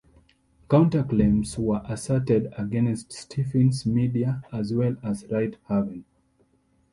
Counterclaims were asserted against Stephens Media as well as Righthaven.